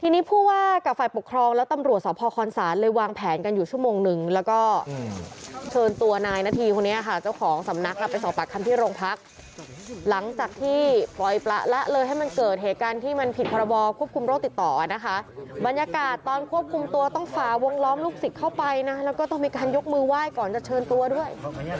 นี่ค่ะเจ้าของสำนักครับไปสอบปากคัมที่โรงพักหลังจากที่ปล่อยปละละเลยให้มันเกิดเหตุการณ์ที่มันผิดพระบอบควบคุมโรคติดต่อนะคะบรรยากาศตอนควบคุมตัวต้องฝาวงล้อมลูกสิทธิ์เข้าไปนะแล้วก็ต้องมีการยกมือไหว้ก่อนจะเชิญตัวด้วย